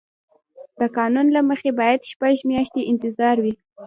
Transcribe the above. د قانون له مخې باید شپږ میاشتې انتظار وي.